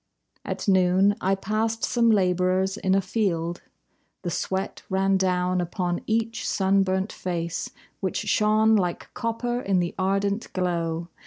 At noon I passed some labourers in a field. The sweat ran down upon each sunburnt face, Which shone like copper in the ardent glow.